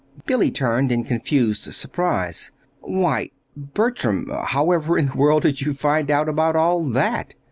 Billy turned in confused surprise. "Why, Bertram, however in the world did you find out about all that?"